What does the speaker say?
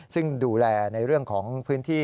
ซึ่งดูแลในเรื่องของพื้นที่